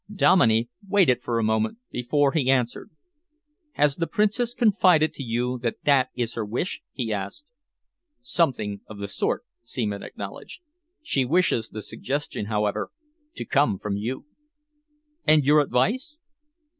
Dominey waited for a moment before he answered. "Has the Princess confided to you that that is her wish?" he asked. "Something of the sort," Seaman acknowledged. "She wishes the suggestion, however, to come from you." "And your advice?"